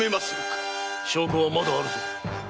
証拠はまだあるぞ。